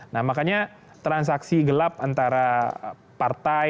nah makanya transaksi gelap antara partai